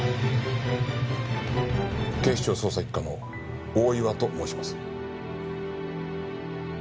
警視庁捜査一課の大岩と申します。